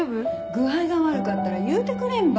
具合が悪かったら言うてくれんば。